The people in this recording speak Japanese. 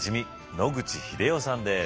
野口英世さんです。